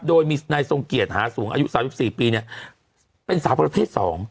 โดยมาในทรงเกียจหาสูงอายุ๓๔ปีเนี่ยเป็นหัวเพศ๒